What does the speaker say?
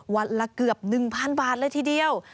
วันละเกือบ๑๐๐๐บาทเลยทีเดียว